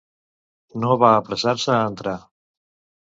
No va apressar-se a entrar.